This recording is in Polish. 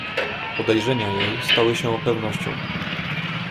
"Podejrzenia jej stały się pewnością."